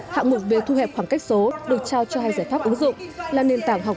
hạng mục về thu hẹp khoảng cách số được trao cho hai giải pháp ứng dụng là nền tảng học